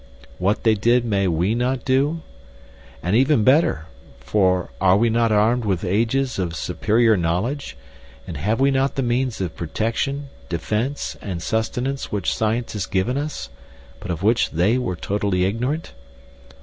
"What they did may we not do? And even better, for are we not armed with ages of superior knowledge, and have we not the means of protection, defense, and sustenance which science has given us, but of which they were totally ignorant?